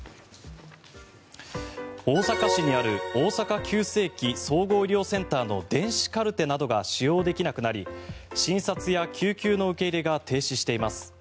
大阪市にある大阪急性期・総合医療センターの電子カルテなどが使用できなくなり診察や救急の受け入れが停止しています。